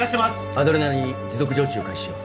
アドレナリン持続静注を開始しよう。